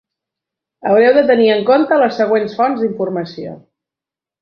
Haureu de tenir en compte les següents fonts d'informació.